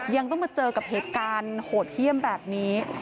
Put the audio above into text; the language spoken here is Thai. ยังต้องมาเจอกับเหตุการณ์โหดเยี่ยมแบบนี้